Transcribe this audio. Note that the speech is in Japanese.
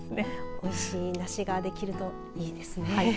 おいしい梨ができるといいですね。